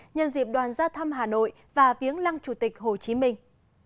nhân dịp đoàn ra thăm hà nội và viếng lăng chủ tịch hồ chí minh